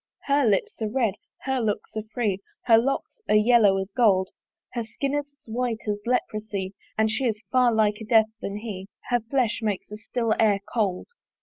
Her lips are red, her looks are free, Her locks are yellow as gold: Her skin is as white as leprosy, And she is far liker Death than he; Her flesh makes the still air cold.